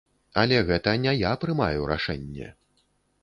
Але гэта не я прымаю рашэнне.